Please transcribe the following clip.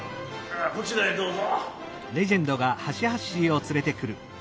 こちらへどうぞ。